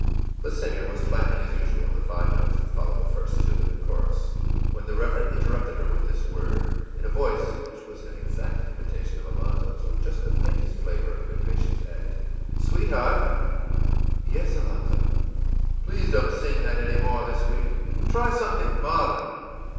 The singer was flatting, as usual, the five notes that follow the first two in the chorus, when the Reverend interrupted her with this word, in a voice which was an exact imitation of Alonzo's, with just the faintest flavor of impatience added: ìSweetheart?î ìYes, Alonzo?î ìPlease don't sing that any more this week try something modern.